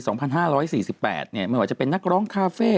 ไม่ว่าจะเป็นนักร้องคาเฟ่